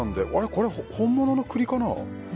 これ、本物の栗かな？